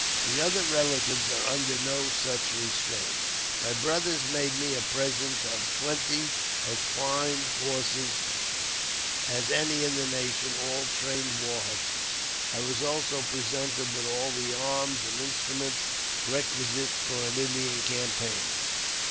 The other relatives are under no such restraint. My brothers made me a present of twenty as fine horses as JAMES P. BECKWOURTH. 135 any in the nation — all trained war horses. I was also pre sented with all the arms and instruments requisite for an Indian campaign.